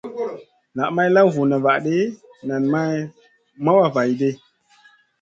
Na may law vuna vahdi nen may wah vaihʼdi.